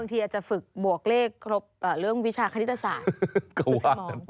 บางทีอาจจะฝึกบวกเลขเรื่องวิชาคณิตศาสตร์